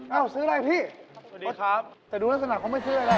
เอ้าซื้ออะไรพี่แต่ดูลักษณะเขาไม่ซื้ออะไรเลย